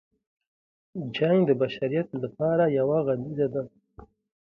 جنګ د بشریت لپاره یو غمیزه ده.